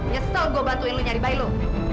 nyesel gue bantuin lu nyari bayi lu